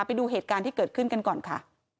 ไปดูเหตุการณ์ที่เกิดขึ้นกันก่อนค่ะ